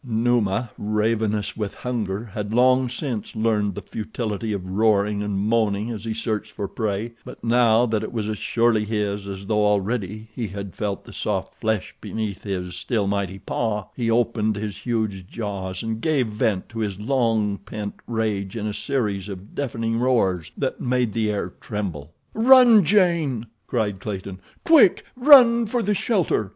Numa, ravenous with hunger, had long since learned the futility of roaring and moaning as he searched for prey, but now that it was as surely his as though already he had felt the soft flesh beneath his still mighty paw, he opened his huge jaws, and gave vent to his long pent rage in a series of deafening roars that made the air tremble. "Run, Jane!" cried Clayton. "Quick! Run for the shelter!"